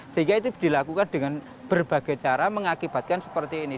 sehingga itu dilakukan dengan berbagai cara mengakibatkan seperti ini